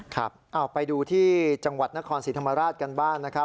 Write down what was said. ครับไปดูที่จังหวัดณครศิริษฐมาราชกันบ้าง